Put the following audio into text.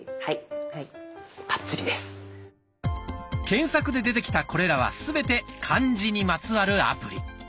検索で出てきたこれらはすべて「漢字」にまつわるアプリ。